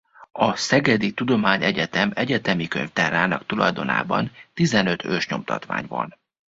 A Szegedi Tudományegyetem Egyetemi Könyvtárának tulajdonában tizenöt ősnyomtatvány van.